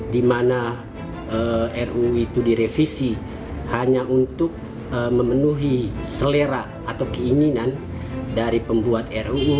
di mana ruu itu direvisi hanya untuk memenuhi selera atau keinginan dari pembuat ruu